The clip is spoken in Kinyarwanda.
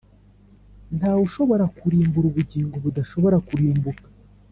nta wushobora kurimbura ubugingo budashobora kurimbuka.